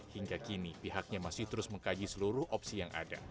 hingga kini pihaknya masih terus mengkaji seluruh opsi yang ada